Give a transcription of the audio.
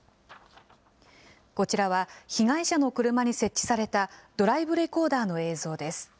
こちらは被害者の車に設置されたドライブレコーダーの映像です。